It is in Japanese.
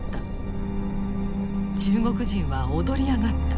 中国人は躍り上がった。